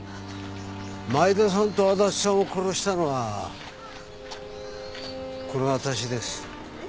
前田さんと足立さんを殺したのはこの私です。